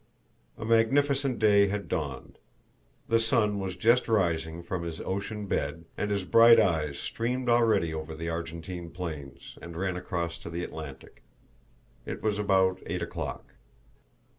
A magnificent day had dawned. The sun was just rising from his ocean bed, and his bright rays streamed already over the Argentine plains, and ran across to the Atlantic. It was about eight o'clock.